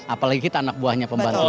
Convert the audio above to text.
apalagi kita anak buahnya pembantunya